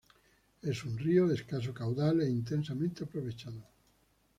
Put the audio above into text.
Es un río de escaso caudal e intensamente aprovechado.